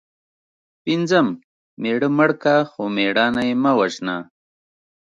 پنځم:مېړه مړ که خو مړانه یې مه وژنه